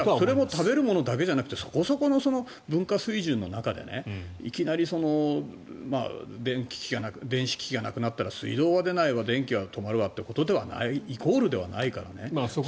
食料だけじゃなくてそこそこの文化水準の中でいきなり電子機器がなくなったら水道は出ないわ電気は止まるわってイコールではないからね。